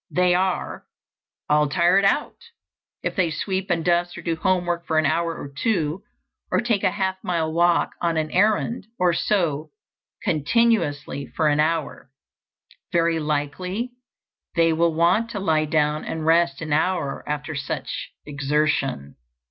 They are "all tired out" if they sweep and dust or do housework for an hour or two, or take a half mile walk on an errand, or sew continuously for an hour. Very likely they will want to lie down and rest an hour after such exertion.